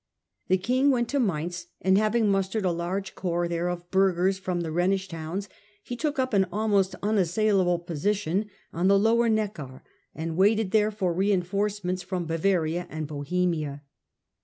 The king went to Mainz, and, having mustered a large corps there of burghers from the Rhenish towns, he took up an almost unassailable position on the lower Neckar, and wcdted there for reinforcements from Bavaria and Bohemia.